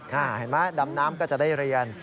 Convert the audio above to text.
เห็นไหมดำน้ำก็จะได้เรียน